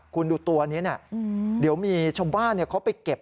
คุณดูตัวนี้นะเดี๋ยวมีชาวบ้านเขาไปเก็บ